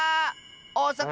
おおさか